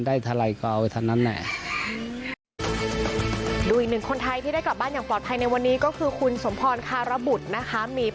ค่ะถ้าไปใหม่ก็ได้ถ้าไม่ไปไม่เป็นไร